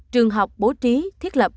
trường học bố trí thiết lập